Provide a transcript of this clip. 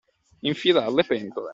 Infilar le pentole.